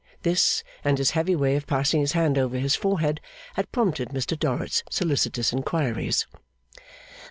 This, and his heavy way of passing his hand over his forehead, had prompted Mr Dorrit's solicitous inquiries.